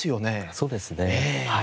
そうですね。